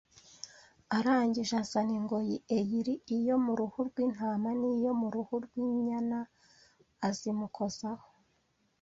arangije azana ingoyi eyiri iyo mu ruhu rw’intama n’iyo mu ruhu rw’inyana azimukozaho